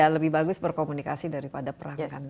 lebih bagus berkomunikasi daripada perang